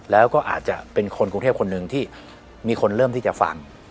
แล้วก็อาจจะเป็นคนกรุงเทพคนหนึ่งที่มีคนเริ่มที่จะฟัง